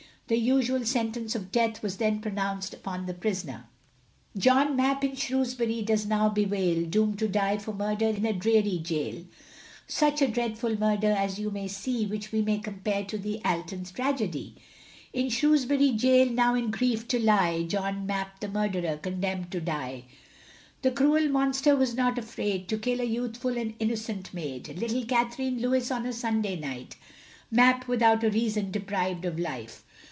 The usual Sentence of Death was then pronounced upon the prisoner. John Mapp, in Shrewsbury, does now bewail, Doomed to die for murder in a dreary gaol; Such a dreadful murder, as you may see, Which we may compare to the Alton tragedy. In Shrewsbury Gaol, now in grief do lie, John Mapp, the murderer, condemned to die. The cruel monster was not afraid, To kill a youthful and innocent maid. Little Catherine Lewis on a Sunday night, Mapp, without a reason, deprived of life.